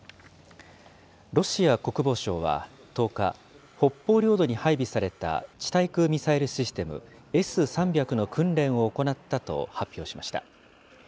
ロシア国防省は１０日、北方領土に配備された地対空ミサイルシステムＳ３００の訓練を行ったと発表しました。